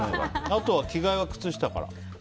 あとは着替えは靴下から？